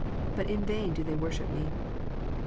But in vain do they worship Me." (Isa.